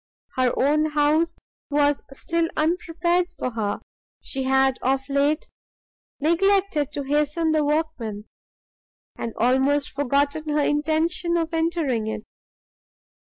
Her own house was still unprepared for her; she had of late neglected to hasten the workmen, and almost forgotten her intention of entering it.